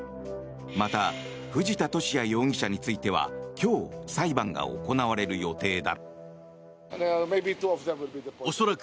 また、藤田聖也容疑者については今日、裁判が行われる予定だ。